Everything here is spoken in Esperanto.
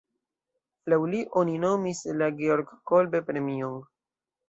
Laŭ li oni nomis la Georg-Kolbe-premion.